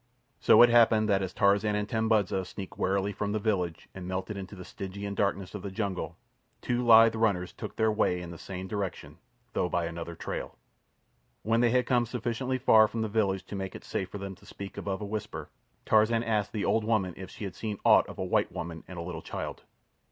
So it happened that as Tarzan and Tambudza sneaked warily from the village and melted into the Stygian darkness of the jungle two lithe runners took their way in the same direction, though by another trail. When they had come sufficiently far from the village to make it safe for them to speak above a whisper, Tarzan asked the old woman if she had seen aught of a white woman and a little child.